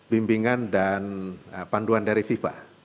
bimbingan dan panduan dari fifa